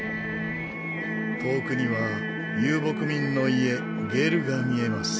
遠くには遊牧民の家ゲルが見えます。